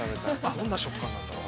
◆どんな食感なんだろう。